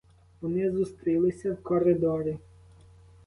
Вони зустрілися в коридорі.